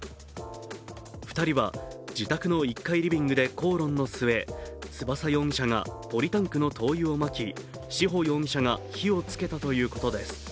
２人は自宅の１階リビングで口論の末、翼容疑者がポリタンクの灯油をまき、志保容疑者が火をつけたということです。